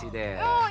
insya allah ya pak